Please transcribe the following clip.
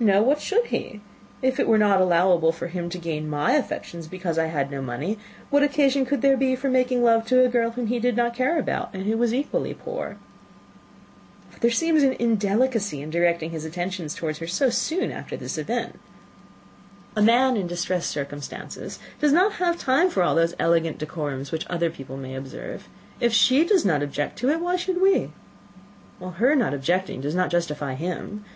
"No why should he? If it were not allowable for him to gain my affections, because I had no money, what occasion could there be for making love to a girl whom he did not care about, and who was equally poor?" "But there seems indelicacy in directing his attentions towards her so soon after this event." "A man in distressed circumstances has not time for all those elegant decorums which other people may observe. If she does not object to it, why should we?" "Her not objecting does not justify him.